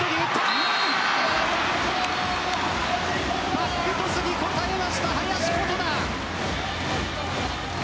バッグトスに応えました林琴奈。